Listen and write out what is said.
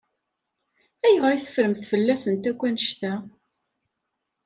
Ayɣer i teffremt fell-asent akk annect-a?